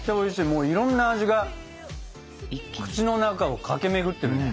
もういろんな味が口の中を駆け巡ってるね。